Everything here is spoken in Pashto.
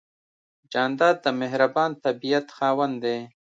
جانداد د مهربان طبیعت خاوند دی.